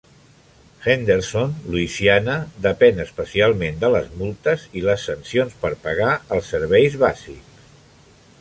Henderson, Louisiana depèn especialment de les multes i les sancions per pagar els serveis bàsics.